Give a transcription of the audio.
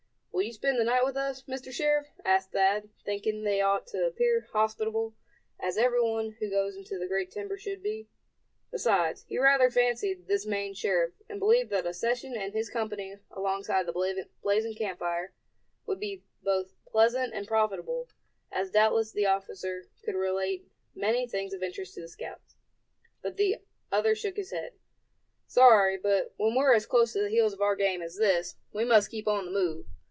"Will you spend the night with us, Mr. Sheriff?" asked Thad, thinking that they ought to appear hospitable, as every one who goes into the great timber should be. Besides, he rather fancied this Maine sheriff, and believed that a session in his company alongside the blazing camp fire, would be both pleasant and profitable, as doubtless the officer could relate many things of interest to the scouts. But the other shook his head. "Sorry, but when we're as close to the heels of our game as this, we must keep on the move.